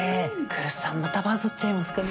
来栖さんまたバズっちゃいますかね。